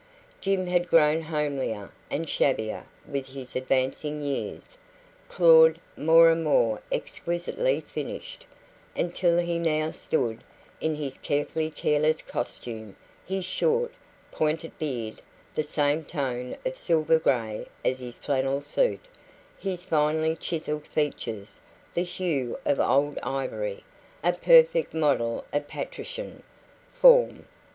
Jim had grown homelier and shabbier with his advancing years; Claud more and more exquisitely finished, until he now stood, in his carefully careless costume his short, pointed beard the same tone of silver grey as his flannel suit, his finely chiselled features the hue of old ivory a perfect model of patrician 'form'.